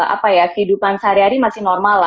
apa ya kehidupan sehari hari masih normal lah